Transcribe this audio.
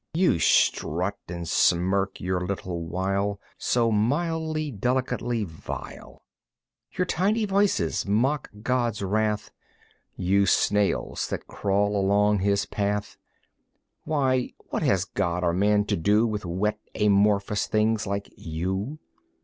You strut and smirk your little while So mildly, delicately vile! Your tiny voices mock God's wrath, You snails that crawl along His path! Why, what has God or man to do With wet, amorphous things like you?